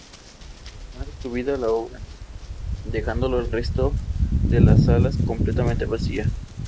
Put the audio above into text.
El cigomático es homóloga a la del hueso yugal de los tetrápodos.